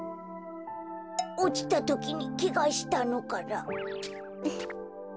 おちたときにけがしたのかな。